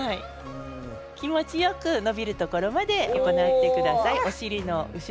気持ちよく伸びるところまでやってください。